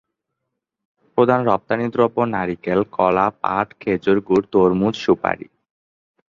প্রধান রপ্তানিদ্রব্য নারিকেল, কলা, পাট, খেজুর গুড়, তরমুজ, সুপারি।